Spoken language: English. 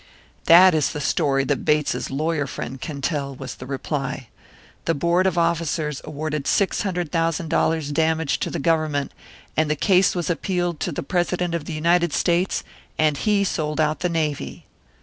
"That is the story that Bates's lawyer friend can tell," was the reply. "The board of officers awarded six hundred thousand dollars' damages to the Government; and the case was appealed to the President of the United States, and he sold out the Navy!"